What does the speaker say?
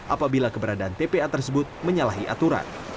apabila keberadaan tpa tersebut menyalahi aturan